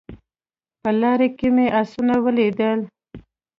په لاره کې مې اسونه ولیدل